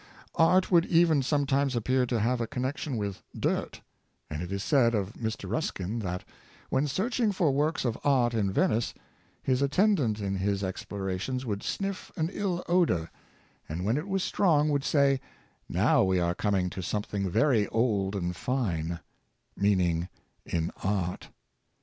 Art would even sometimes appear to have a connec tion with dirt; and it is said of Mr. Ruskin that, when searching for works of art in Venice, his attendant in his explorations would sniff an ill odor, and when it was strong, would say, " Now we are coming to something very old and fine," — meaning in art.